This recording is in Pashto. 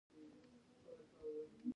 د کیمیاوي زهرو لپاره شیدې وڅښئ